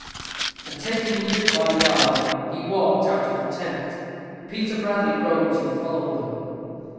And taking Luke by the arm, he walked out of the tent. Peter Bradley rose, and followed them.